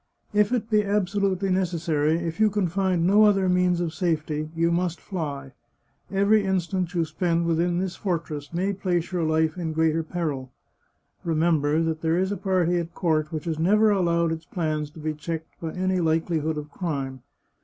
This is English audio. If it be absolutely necessary, if you can find no other means of safety, you must fly. Every instant you spend within this fortress may place your life in greater peril. Remember that there is a party at court which has never allowed its plans to be checked by any likelihood of crime.